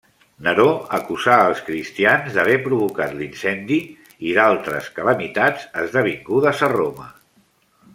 Neró acusà els cristians d'haver provocat l'incendi i d'altres calamitats esdevingudes a Roma.